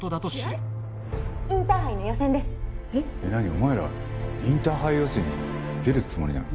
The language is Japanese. お前らインターハイ予選に出るつもりなの？